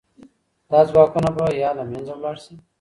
دا ځواکونه به يا له منځه ولاړ سي.